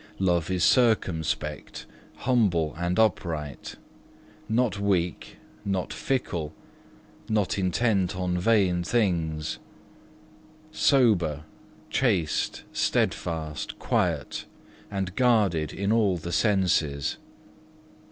Love is circumspect, humble, and upright; not weak, not fickle, nor intent on vain things; sober, chaste, steadfast, quiet, and guarded in all the senses.